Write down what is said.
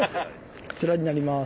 こちらになります。